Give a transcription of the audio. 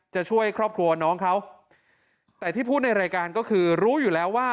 จะช่วยครอบครัวน้องเขาแต่ที่พูดในรายการก็คือรู้อยู่แล้วว่า